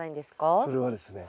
それはですね